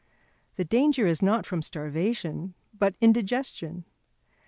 The danger is not from starvation, but indigestion.